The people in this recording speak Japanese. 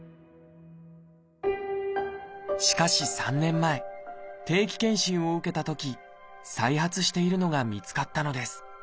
しかし３年前定期検診を受けたとき再発しているのが見つかったのです。